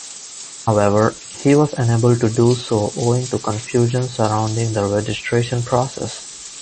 However, he was unable to do so owing to confusion surrounding the registration process.